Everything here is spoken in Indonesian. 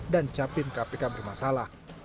dan capim kpk bermasalah